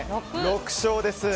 ６勝です。